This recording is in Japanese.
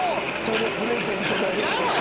それプレゼントだよいらんわ！